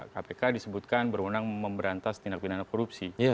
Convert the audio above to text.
kpk disebutkan berwenang memberantas tindak pidana korupsi